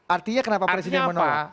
artinya kenapa presiden menolak